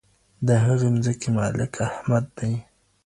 د هغې مځکي مالک احمد دی.